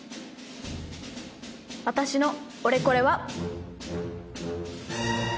私のオレコレは。